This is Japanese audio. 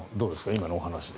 今のお話で。